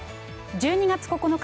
１２月９日